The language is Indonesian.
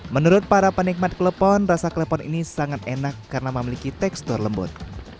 menurut para penikmat klepon rasa klepon ini sangat enak karena memiliki tekstur lembut